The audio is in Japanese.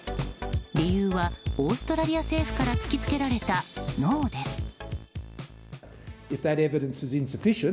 理由は、オーストラリア政府から突き付けられたノーです。